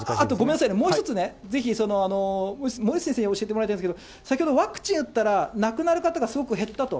それからもう一つ、ぜひ、森内先生に教えてもらいたいんですけど、先ほどワクチン打ったら、亡くなる方がすごく減ったと。